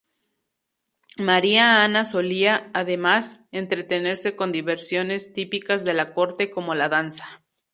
María Ana solía, además, entretenerse con diversiones típicas de la corte, como la danza.